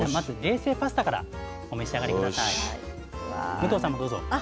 武藤さんもどうぞ。